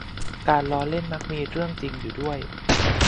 การล้อเล่นมักมีเรื่องจริงอยู่ด้วย